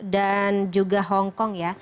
dan juga hongkong